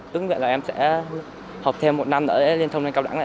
tức là em sẽ học thêm một năm nữa lên liên thông liên hệ cao đẳng